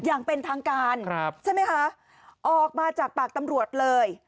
อย่างเป็นทางการใช่ไหมคะออกมาจากปากตำรวจเลย